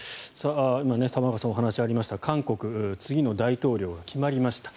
今、玉川さんのお話にありました韓国、次の大統領が決まりました。